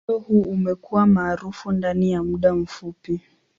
Muundo huu umekuwa maarufu ndani ya muda mfupi.